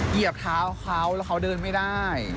เหยียบเท้าเขาแล้วเขาเดินไม่ได้